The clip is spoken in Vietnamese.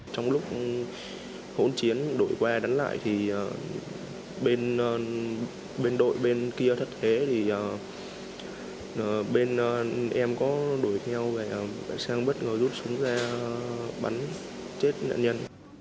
trong lúc hỗn chiến đổi qua bắn lại thì bên đội bên kia thất thế thì bên em có đuổi theo và sang bất ngờ rút súng ra bắn chết nạn nhân